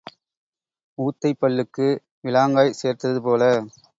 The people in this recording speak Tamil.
ஊத்தைப் பல்லுக்கு விளாங்காய் சேர்ந்தது போல.